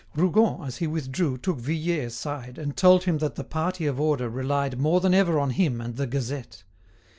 Rougon, as he withdrew, took Vuillet aside and told him that the party of order relied more than ever on him and the "Gazette."